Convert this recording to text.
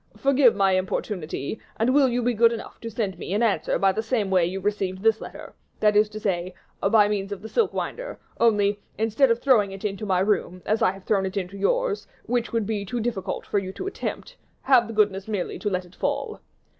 Forgive my importunity, and will you be good enough to send me an answer by the same way you receive this letter that is to say, by means of the silk winder; only, instead of throwing into my room, as I have thrown it into yours, which will be too difficult for you to attempt, have the goodness merely to let it fall.